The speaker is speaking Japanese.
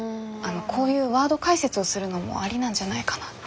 こういうワード解説をするのもありなんじゃないかなって。